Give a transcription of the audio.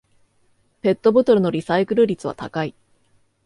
ペットボトルのリサイクル率は高い